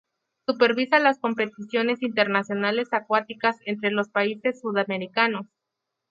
Supervisa las competiciones internacionales acuáticas entre los países sudamericanos.